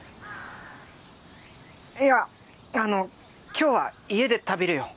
いやあの今日は家で食べるよ。